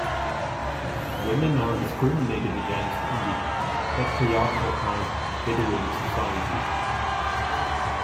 Women are discriminated against in the patriarchal-type Bedouin society.